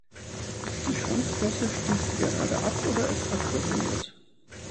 Die Schwanzflosse schließt gerade ab oder ist abgerundet.